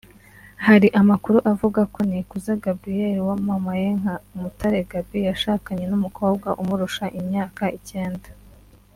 Hari amakuru avuga ko Nikuze Gabriel wamamaye nka Umutare Gaby yashakanye n’umukobwa umurusha imyaka icyenda